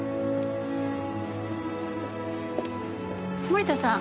森田さん。